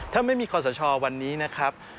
ถ้าไม่มีคอสชวันนี้นะครับ